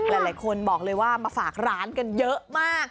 หลายคนบอกเลยว่ามาฝากร้านกันเยอะมาก